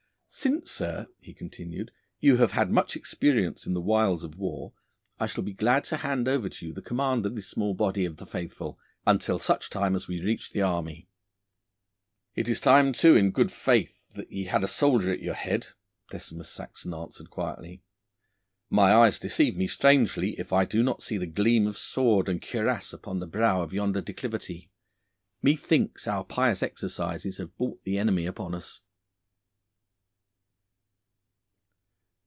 'Since, sir,' he continued, 'you have had much experience in the wiles of war, I shall be glad to hand over to you the command of this small body of the faithful, until such time as we reach the army.' 'It is time, too, in good faith, that ye had a soldier at your head,' Decimus Saxon answered quietly. 'My eyes deceive me strangely if I do not see the gleam of sword and cuirass upon the brow of yonder declivity. Methinks our pious exercises have brought the enemy upon us.